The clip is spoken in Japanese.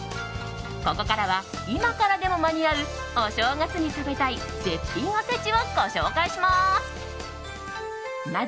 ここからは、今からでも間に合うお正月に食べたい絶品おせちをご紹介します。